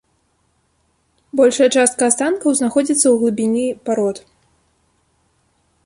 Большая частка астанкаў знаходзіцца ў глыбіні парод.